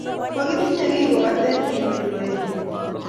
Makitinye kiy, kobate kiboiboen.